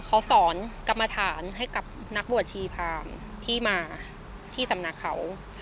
เขาสอนกรรมฐานให้กับนักบวชชีพรามที่มาที่สำนักเขา